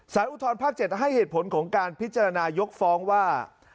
อุทธรภาค๗ให้เหตุผลของการพิจารณายกฟ้องว่า